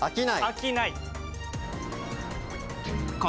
あきない。